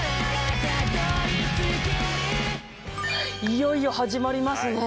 いよいよ始まりますね。